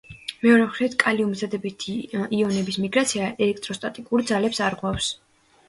მეორე მხრით, კალიუმის დადებითი იონების მიგრაცია ელექტროსტატიკური ძალებს აღძრავს.